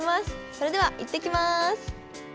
それでは行ってきます。